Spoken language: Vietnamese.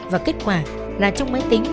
và kết quả là trong máy tính